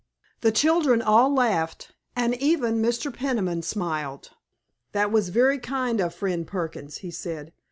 The children all laughed, and even Mr. Peniman smiled. "That was very kind of Friend Perkins," he said.